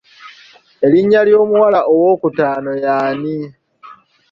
Erinnya ly'omuwala ow'okutaano yaani?